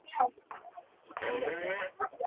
Ka lu kaa sut.